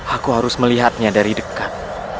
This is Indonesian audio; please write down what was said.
aku harus melihatnya dari dekat